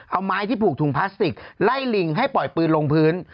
เอาไม้ที่ผูกถุงพลาสติกไล่ลิงให้ปล่อยปืนลงพื้น